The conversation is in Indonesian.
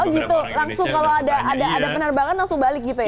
oh gitu langsung kalau ada penerbangan langsung balik gitu ya